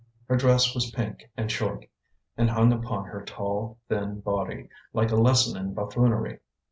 Her dress was pink and short, And hung upon her tall, thin body, Like a lesson in buffoonery.